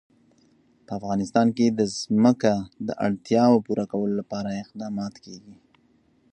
په افغانستان کې د ځمکه د اړتیاوو پوره کولو لپاره اقدامات کېږي.